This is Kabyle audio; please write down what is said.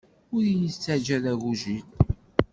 Ur iyi-ttaǧǧa d agujil.